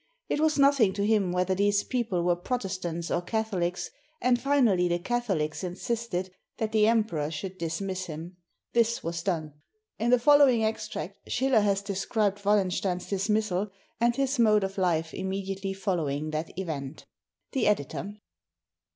It was nothing to him whether these people were Protestants or Catholics, and finally the Catholics insisted that the Emperor should dismiss him. This was done. In the following extract Schiller has described Wallenstein's dismissal, and his mode of life immediately following that event. The Editor.